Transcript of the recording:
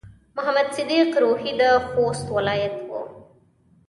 محمد صديق روهي د خوست ولايت و.